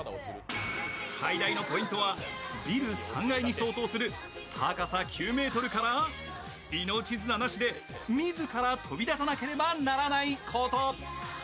最大のポイントは、ビル３階に相当する、高さ９ｍから命綱なしで自ら飛び出さなければならないこと。